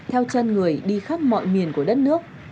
theo chân người đi khắp mọi miền của đất nước